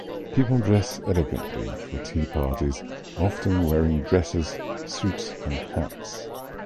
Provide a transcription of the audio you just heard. People dress elegantly for tea parties, often wearing dresses, suits, and hats.